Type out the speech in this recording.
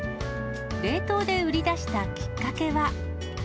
冷凍で売り出したきっかけは。